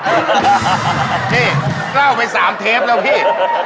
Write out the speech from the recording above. นี่เล่าไป๓เทปแล้วพี่